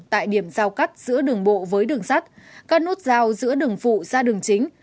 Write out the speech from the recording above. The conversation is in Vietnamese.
tại điểm giao cắt giữa đường bộ với đường sắt các nút giao giữa đường phụ ra đường chính